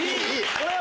これは？